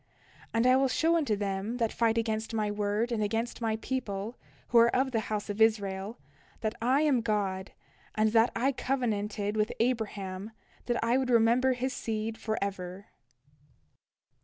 And I will show unto them that fight against my word and against my people, who are of the house of Israel, that I am God, and that I covenanted with Abraham that I would remember his seed forever.